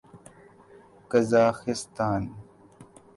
Kazakhstan